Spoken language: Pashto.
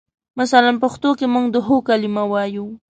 مثلاً پښتو کې موږ د هو کلمه وایو.